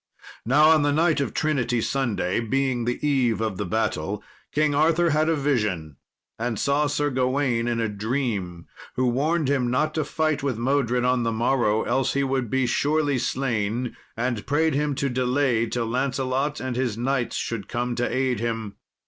Now, on the night of Trinity Sunday, being the eve of the battle, King Arthur had a vision, and saw Sir Gawain in a dream, who warned him not to fight with Modred on the morrow, else he would be surely slain; and prayed him to delay till Lancelot and his knights should come to aid him.